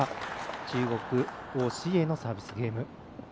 中国、王紫瑩のサービスゲーム。